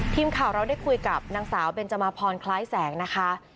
ทีมข่าวเราได้คุยกับนางสาวเบนจมาพรคล้ายแสงนะคะ